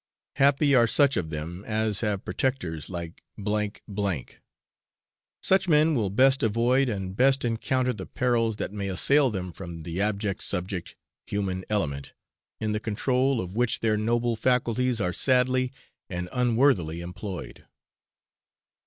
Happy are such of them as have protectors like J C . Such men will best avoid and best encounter the perils that may assail them from the abject subject, human element, in the control of which their noble faculties are sadly and unworthily employed.